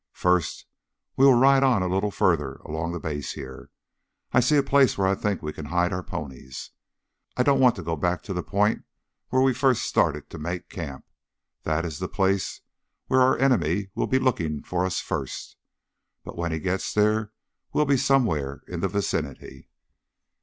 "First we will ride on a little further along the base here. I see a place where I think we can hide our ponies. I don't want to go back to the point where we first started to make camp. That is the place where our enemy will be looking for us first. But when he gets there we'll be somewhere in the vicinity."